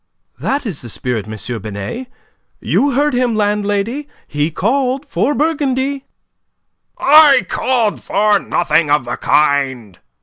"That is the spirit, M. Binet. You heard him, landlady. He called for Burgundy." "I called for nothing of the kind."